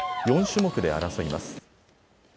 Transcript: ４種目で争います。